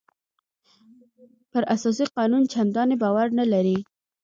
پر اساسي قانون چندانې باور نه لري.